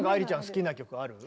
好きな曲ある？